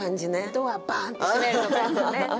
ドアバーンッて閉めるとかですよね。